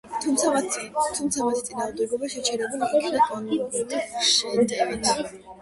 თუმცა მათი წინააღმდეგობა შეჩერებულ იქნა კონტრშეტევით.